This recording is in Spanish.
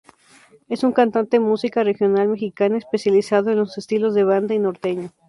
Es un cantante musica regional mexicana, especializado en los estilos de Banda y Norteño.